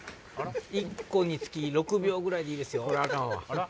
１個につき６秒ぐらいでいいですよ。